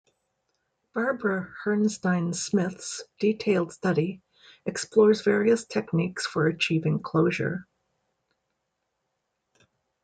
Barbara Herrnstein Smith's detailed study--explores various techniques for achieving closure.